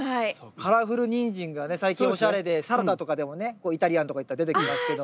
カラフルニンジンがね最近おしゃれでサラダとかでもねイタリアンとか行ったら出てきますけど。